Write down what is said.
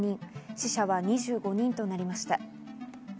死者が２５人となりました。